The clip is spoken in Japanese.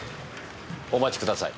お待ちください。